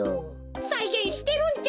さいげんしてるんじゃない。